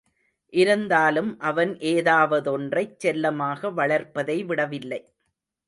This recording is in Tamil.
இருந்தாலும் அவன் ஏதாவதொன்றைச் செல்லமாக வளர்ப்பதை விடவில்லை.